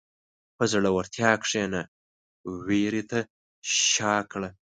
په زړورتیا کښېنه، وېرې ته شا کړه.